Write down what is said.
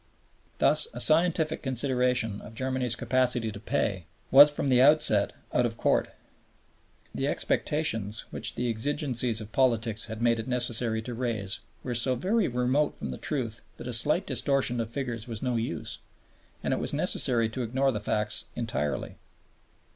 Thus a scientific consideration of Germany's capacity to pay was from the outset out of court. The expectations which the exigencies of politics had made it necessary to raise were so very remote from the truth that a slight distortion of figures was no use, and it was necessary to ignore the facts entirely.